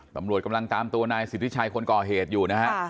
ตำรวจกำลังตามตัวนายสิทธิชัยคนก่อเหตุอยู่นะฮะ